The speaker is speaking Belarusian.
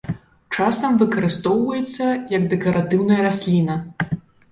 Часам выкарыстоўваецца як дэкаратыўная расліна.